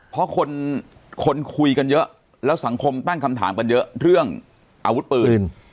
เพราะคนคนคุยกันเยอะแล้วสังคมตั้งคำถามกันเยอะเรื่องอาวุธปืน